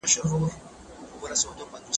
کمپيوټر کويز جوړوي.